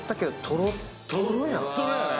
とろっとろやね。